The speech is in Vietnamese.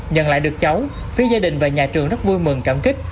nhận lại được cháu phía gia đình và nhà trường rất vui mừng cảm kích